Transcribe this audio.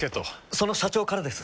その社長からです。